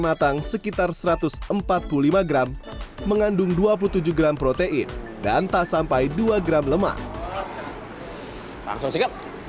matang sekitar satu ratus empat puluh lima gram mengandung dua puluh tujuh gram protein dan tak sampai dua gram lemak langsung